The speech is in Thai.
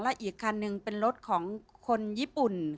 และอีกคันหนึ่งเป็นรถของคนญี่ปุ่น